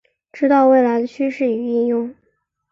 知道未来的趋势与应用